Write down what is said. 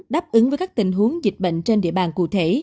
đáp ứng với các tình huống dịch bệnh trên địa bàn cụ thể